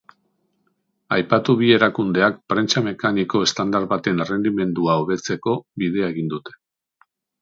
Aipatu bi erakundeak prentsa mekaniko estandar baten errendimendua hobetzeko bidea egin dute.